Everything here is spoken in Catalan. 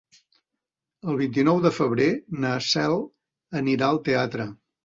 El vint-i-nou de febrer na Cel anirà al teatre.